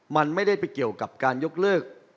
มันไม่ได้ไปเกี่ยวกับการยกเลิก